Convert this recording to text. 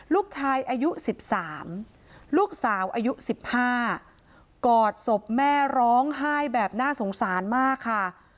ลูกชายอายุ๑๓ลูกสาวอายุ๑๕กอดศพแม่ร้องไห้แบบน่าสงสารมากค่ะ